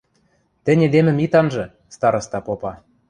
– Тӹнь эдемӹм ит анжы... – староста попа.